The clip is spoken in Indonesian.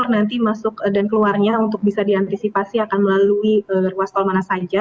nanti masuk dan keluarnya untuk bisa diantisipasi akan melalui ruas tol mana saja